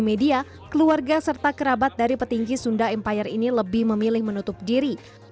media keluarga serta kerabat dari petinggi sunda empire ini lebih memilih menutup diri